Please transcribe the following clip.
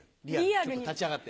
ちょっと立ち上がって。